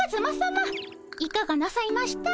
いかがなさいました？